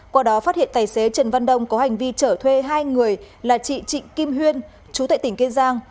qua đó phát hiện tài xế trần văn đông có hành vi chở thuê hai người là chị trịnh kim huyên chú tại tỉnh kiên giang